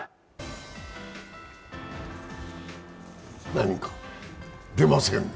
何か、出ませんね。